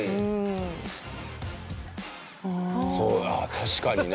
確かにね。